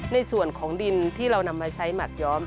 ในส่วนของดินที่เรานำมาใช้หมักย้อม